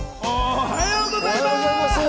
おはようございます！